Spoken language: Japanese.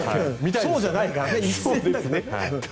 そうじゃないからね。